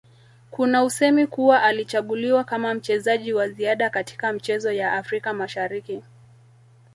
Kuna usemi kuwa alichaguliwa kama mchezaji wa ziada kaitka michezo ya Afrika Mashariki